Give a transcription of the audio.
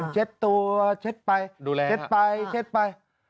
เช็ดตัวเช็ดไปดูแลเช็ดไปเช็ดไป